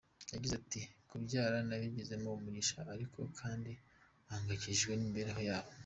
Yagize ati " Kubyara nabigizemo umugisha ariko kandi mpangayikishijwe n’imibereho yabo.